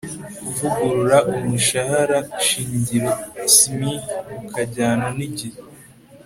kuvugurura umushahara shingiro (smig) ukajyana n'igihe